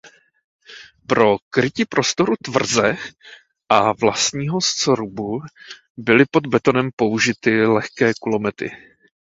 Pro krytí prostoru tvrze a vlastního srubu byly pod betonem použity lehké kulomety.